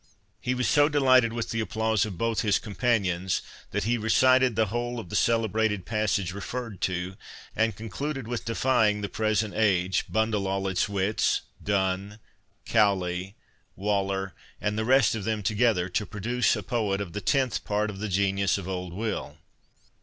He was so delighted with the applause of both his companions, that he recited the whole of the celebrated passage referred to, and concluded with defying the present age, bundle all its wits, Donne, Cowley, Waller, and the rest of them together, to produce a poet of a tenth part of the genius of old Will.